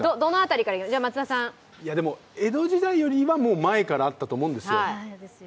でも、江戸時代より前からあったと思うんですよ。